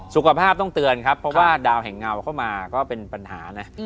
สุขภาพต้องเตือนครับเพราะว่าดาวแห่งเงาเข้ามาก็เป็นปัญหานะ